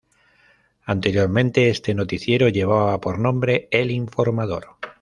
Anteriormente este noticiero llevaba por nombre El informador.